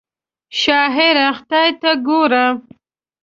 شاعره خدای ته ګوره!